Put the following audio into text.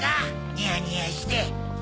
ニヤニヤして。